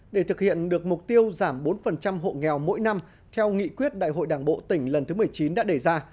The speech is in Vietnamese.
để thực hiện được mục tiêu giảm bốn hộ nghèo mỗi năm theo nghị quyết đại hội đảng bộ tỉnh lần thứ một mươi chín đã đề ra